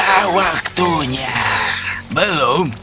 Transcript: belum belum waktunya aku belum siap